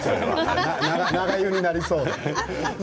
長湯になりそう。